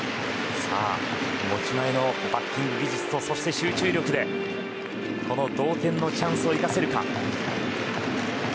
持ち前のバッティング技術とそして集中力でこの同点のチャンスを生かせるか。